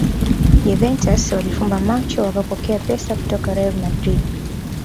Juventus walifumba macho wakapokea pesa kutokwa real madrid